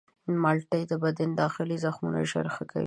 مالټې د بدن داخلي زخمونه ژر ښه کوي.